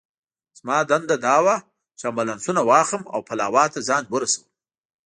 زما دنده دا وه چې امبولانسونه واخلم او پلاوا ته ځان ورسوم.